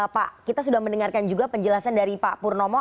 pak kita sudah mendengarkan juga penjelasan dari pak purnomo